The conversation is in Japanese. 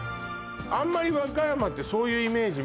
あんまり和歌山ってそういうイメージ